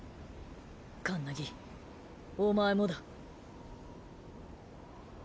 カンナギお前もだ。